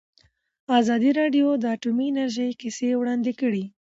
ازادي راډیو د اټومي انرژي کیسې وړاندې کړي.